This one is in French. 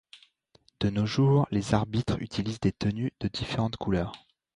De nos jours, les arbitres utilisent des tenues de différentes couleurs.